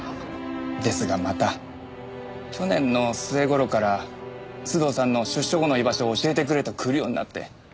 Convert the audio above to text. ですがまた去年の末頃から須藤さんの出所後の居場所を教えてくれと来るようになって。